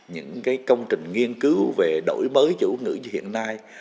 những cái công trình nghiên cứu về đổi mới chữ ngữ như hiện nay